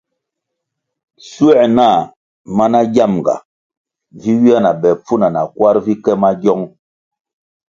Schuer na mana giamga vi ywia na be pfuna na kwar vi ke magiong.